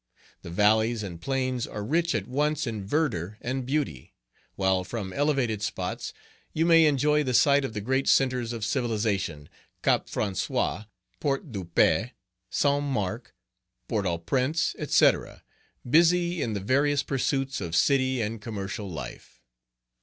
The valleys and plains are rich at once in verdure and beauty, while from elevated spots you may enjoy the sight of the great centres of civilization, Cap Francais, Port de Paix, Saint Marc, Port au Prince, &c., busy in the various pursuits of city and commercial life.